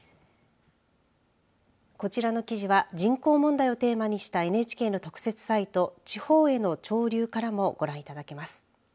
こちらの記事は人口問題をテーマにしたＮＨＫの特設サイト地方への潮流からもご覧いただけます。